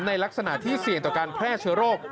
ในลักษณะที่เสี่ยงต่อการแพร่เชื้อโรค